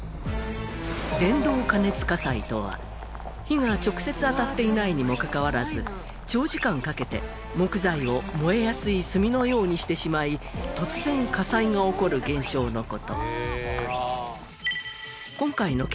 伝導過熱火災とは火が直接当たっていないにもかかわらず長時間かけて木材を燃えやすい炭のようにしてしまい突然火災が起こる現象の事。